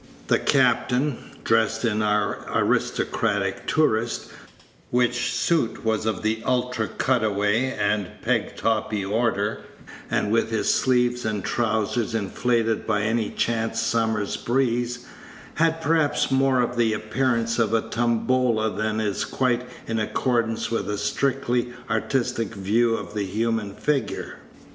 The captain, dressed in "our aristocratic tourist," which suit was of the ultra cut away and peg toppy order, and with his sleeves and trowsers inflated by any chance summer's breeze, had perhaps more of the appearance of a tombola than is quite in accordance with a strictly artistic view of the human figure.